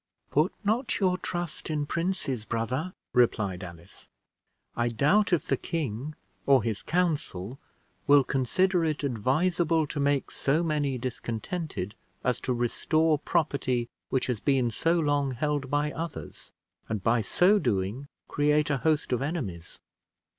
"Put not your trust in princes, brother," replied Alice. "I doubt if the king, or his council, will consider it advisable to make so many discontented as to restore property which has been so long held by others, and by so doing create a host of enemies.